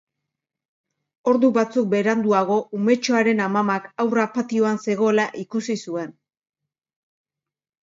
Ordu batzuk beranduago, umetxoaren amamak haurra patioan zegoela ikusi zuen.